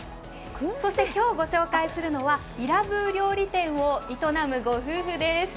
そして今日ご紹介するのはイラブー料理店を営むご夫婦です。